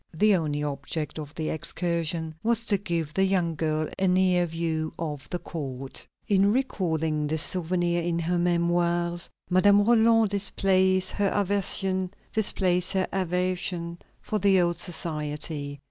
The only object of the excursion was to give the young girl a near view of the court. In recalling this souvenir in her Memoirs, Madame Roland displays her aversion for the old society.